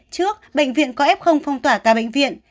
trước bệnh viện có f phong tỏa cả bệnh viện